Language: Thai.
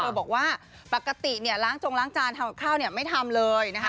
บอกว่าปกติเนี่ยล้างจงล้างจานทำกับข้าวเนี่ยไม่ทำเลยนะคะ